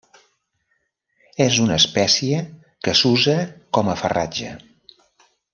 És una espècie que s'usa com a farratge.